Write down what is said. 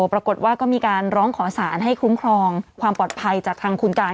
ปรากฏว่าก็มีการร้องขอสารให้คุ้มครองความปลอดภัยจากทางคุณการ